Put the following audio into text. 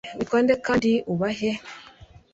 Witwa nde kandi ubahe